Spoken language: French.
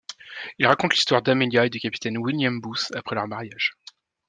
Il raconte l’histoire d’Amelia et du capitaine William Booth après leur mariage.